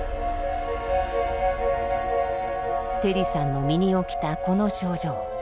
テリさんの身に起きたこの症状。